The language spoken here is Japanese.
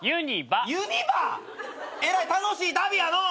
えらい楽しい旅やのう！